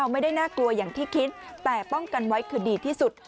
ไม่ได้น่ากลัวอย่างที่คิดแต่ป้องกันไว้คือดีที่สุด